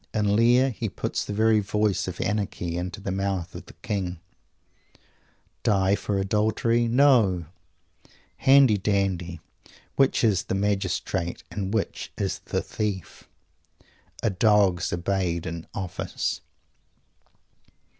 In Lear he puts the very voice of Anarchy into the mouth of the King "Die for adultery? No!" "Handy dandy, which is the Magistrate and which is the Thief?" "A dog's obeyed in office."